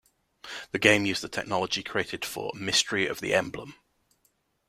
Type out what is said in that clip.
The game used the technology created for "Mystery of the Emblem".